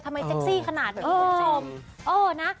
ทำไมเซ็กซี่ขนาดนี้เออนะ